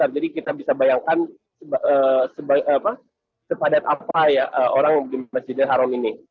jadi kita bisa bayangkan sepadat apa ya orang di masjid al haram ini